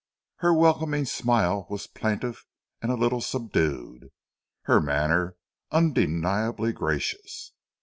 Her welcoming smile was plaintive and a little subdued, her manner undeniably gracious.